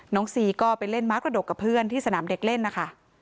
ซีก็ไปเล่นม้ากระดกกับเพื่อนที่สนามเด็กเล่นนะคะ